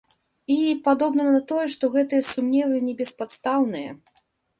І, падобна на тое, што гэтыя сумневы небеспадстаўныя.